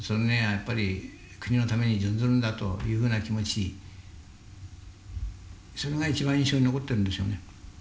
やっぱり国のために殉ずるんだというふうな気持ちそれが一番印象に残ってるんですよね。